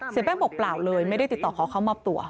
แป้งบอกเปล่าเลยไม่ได้ติดต่อขอเข้ามอบตัว